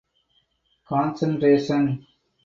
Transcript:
Concentration!